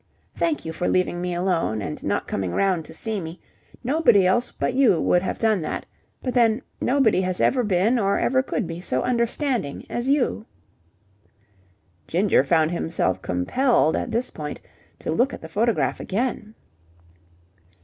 (Thank you for leaving me alone and not coming round to see me. Nobody else but you would have done that. But then, nobody ever has been or ever could be so understanding as you.)" Ginger found himself compelled at this point to look at the photograph again.